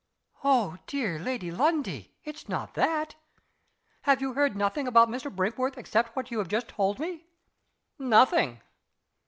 "Dear Lady Lundie, it's not that! Have you heard nothing about Mr. Brinkworth except what you have just told me?" "Nothing."